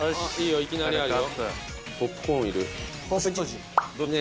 いきなりあるよ。